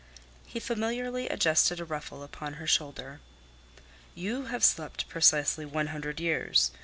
He familiarly adjusted a ruffle upon her shoulder. "You have slept precisely one hundred years.